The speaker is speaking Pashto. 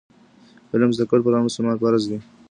علم زده کول پر هر مسلمان فرض دي.